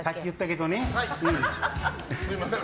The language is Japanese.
すみません。